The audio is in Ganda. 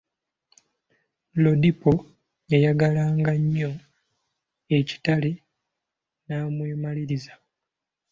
Lodipo yayagalanga nnyo Akitela namwemaliza.